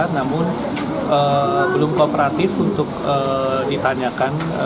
namun belum kooperatif untuk ditanyakan